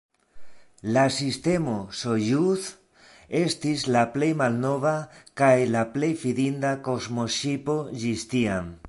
La sistemo Sojuz estis la plej malnova kaj la plej fidinda kosmoŝipo ĝis tiam.